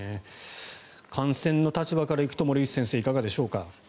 感染の立場から行くと森内先生、いかがでしょうか。